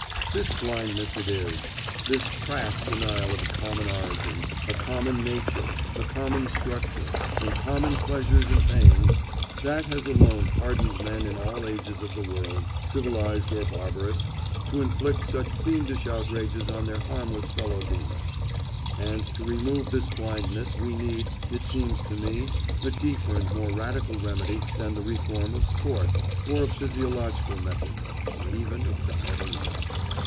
This blindness it is—this crass denial of a common origin, a common nature, a common structure, and common pleasures and pains—that has alone hardened men in all ages of the world, civilised or barbarous, to inflict such fiendish outrages on their harmless fellow beings; and to remove this blindness we need, it seems to me, a deeper and more radical remedy than the reform of sport, or of physiological methods, or even of diet alone.